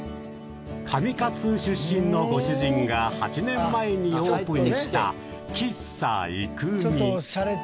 上勝出身のご主人が８年前にオープンした喫茶いくみ。